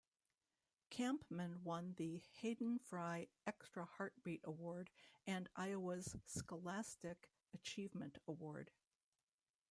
Kampman won the Hayden Fry "Extra Heartbeat" award and Iowa's Scholastic Achievement award.